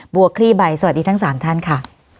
บริเวณบัยสวัสดีทั้งสามท่านค่ะ